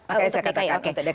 oke saya katakan untuk dki